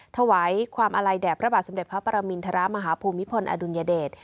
ถวายความอาลัยแด่พระบาทสมเด็จพระปรมินทรมาฮภูมิพลอดุลยเดช